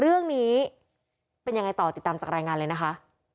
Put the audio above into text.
เรื่องนี้เป็นยังไงต่อติดตามจากรายงานเลยนะคะ